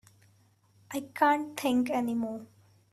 I can't think any more.